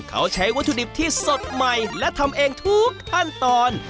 เขาใช้วัตถุดิบที่สดใหม่และทำเองทุกขั้นตอน